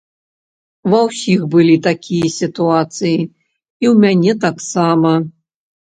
Ва ўсіх былі такія сітуацыі, і у мяне таксама.